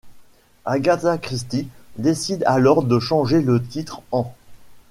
Agatha Christie décide alors de changer le titre en '.